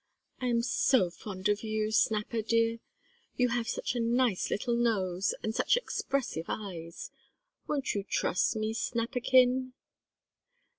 "I am so fond of you, Snapper, dear; you have such a nice little nose, and such expressive eyes. Won't you trust me, Snapperkin?"